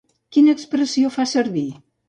Quina expressió fa servir?